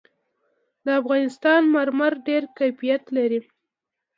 د افغانستان مرمر ډېر کیفیت لري.